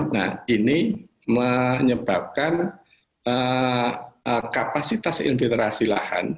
nah ini menyebabkan kapasitas infiltrasi lahan